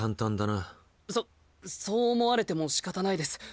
そっそう思われてもしかたないです。